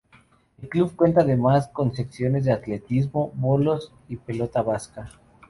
El club cuenta además con secciones de atletismo, bolos y pelota vasca.